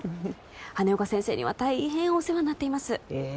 羽根岡先生には大変お世話になっていますえ